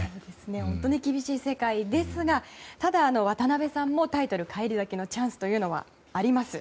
本当に厳しい世界ですがただ、渡辺さんもタイトル返り咲きのチャンスはあります。